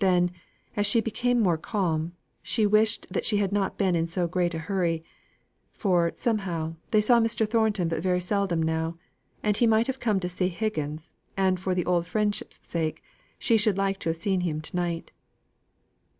Then, as she became more calm, she wished that she had not been in so great a hurry; for, somehow, they saw Mr. Thornton but very seldom now; and he might have come to see Higgins, and for the old friendship's sake she should like to have seen him to night.